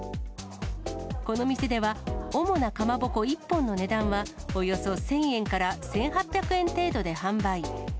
この店では、主なかまぼこ１本の値段はおよそ１０００円から１８００円程度で販売。